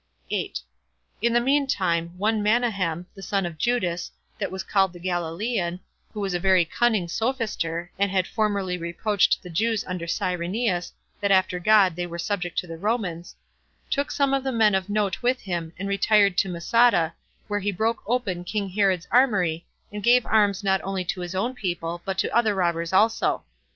8. In the mean time, one Manahem, the son of Judas, that was called the Galilean, [who was a very cunning sophister, and had formerly reproached the Jews under Cyrenius, that after God they were subject to the Romans,] took some of the men of note with him, and retired to Masada, where he broke open king Herod's armory, and gave arms not only to his own people, but to other robbers also.